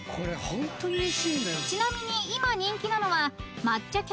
［ちなみに今人気なのは］